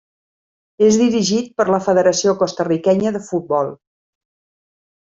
És dirigit per la Federació Costa-riquenya de Futbol.